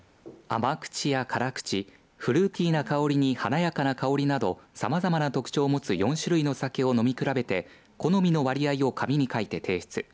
甘口や辛口フルーティーな香りに華やかな香りなどさまざまな特徴を持つ４種類の酒を飲み比べて好みの割合を紙に書いて提出。